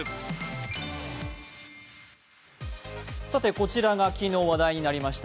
こちらが昨日話題になりました